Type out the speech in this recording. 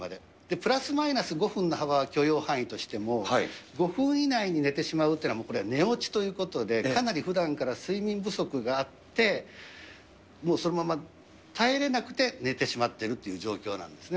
プラスマイナス５分の幅は許容範囲としても、５分以内に寝てしまうっていうのは、もうこれ、寝落ちということで、かなりふだんから睡眠不足があって、もうそのまま耐えれなくて寝てしまっているという状況なんですね。